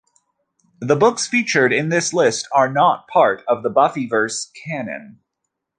The books featured in this list are not part of Buffyverse canon.